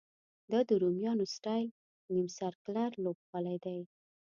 دا د رومیانو سټایل نیم سرکلر لوبغالی دی.